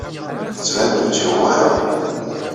Tettban-d ur tt-yuɣ wara.